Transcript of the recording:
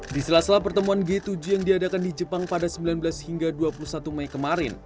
di sela sela pertemuan g tujuh yang diadakan di jepang pada sembilan belas hingga dua puluh satu mei kemarin